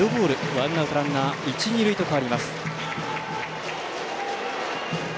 ワンアウト、ランナー一、二塁と変わります。